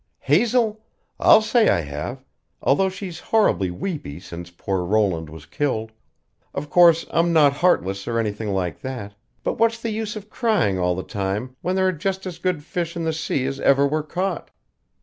"Hazel? I'll say I have although she's horribly weepy since poor Roland was killed. Of course, I'm not heartless or anything like that; but what's the use of crying all the time when there are just as good fish in the sea as ever were caught?